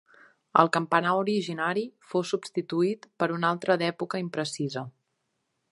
El campanar originari fou substituït per un altre d'època imprecisa.